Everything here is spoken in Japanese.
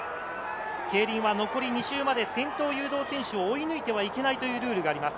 競輪は残り２周まで先頭誘導選手を追い抜いてはいけないというルールがあります。